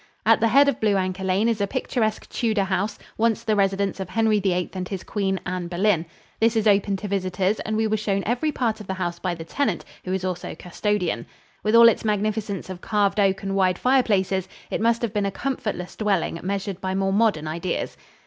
At the head of Blue Anchor Lane is a picturesque Tudor house, once the residence of Henry VIII and his queen, Anne Boleyn. This is open to visitors and we were shown every part of the house by the tenant, who is also custodian. With all its magnificence of carved oak and wide fireplaces, it must have been a comfortless dwelling measured by more modern ideas.